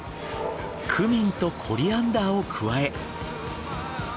クミンとコリアンダーを加え。